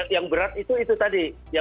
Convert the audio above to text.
yang berat itu tadi